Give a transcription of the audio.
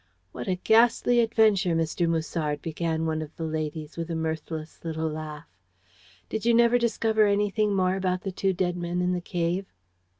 "What a ghastly adventure, Mr. Musard!" began one of the ladies, with a mirthless little laugh. "Did you never discover anything more about the two dead men in the cave?"